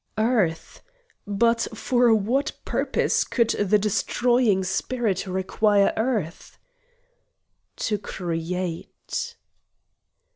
Earth! But for what purpose could the Destroying Spirit require earth? To create!